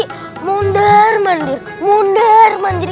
kamu kenapa si mundar mandir